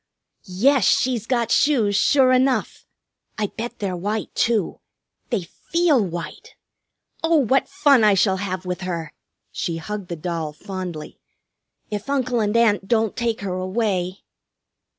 "Yes, she's got shoes, sure enough! I bet they're white, too. They feel white. Oh, what fun I shall have with her," she hugged the doll fondly, "if Uncle and Aunt don't take her away!"